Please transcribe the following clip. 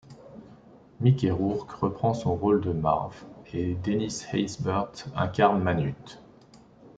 Mickey Rourke reprend son rôle de Marv et Dennis Haysbert incarne Manute.